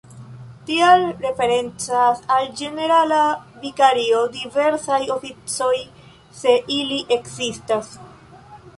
Tial referencas al ĝenerala vikario diversaj oficoj, se ili ekzistas.